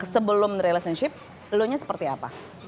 sebelum relationship low nya seperti apa